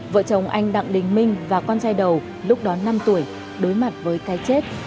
vợ chồng anh đặng đình minh và con trai đầu lúc đó năm tuổi đối mặt với cái chết